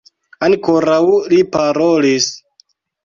Ankoraŭ li parolis.